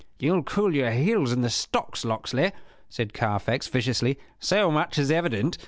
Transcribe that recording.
"You'll cool your heels in the stocks, Locksley," said Carfax, viciously: "so much is evident.